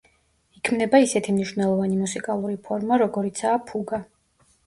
იქმნება ისეთი მნიშვნელოვანი მუსიკალური ფორმა, როგორიცაა ფუგა.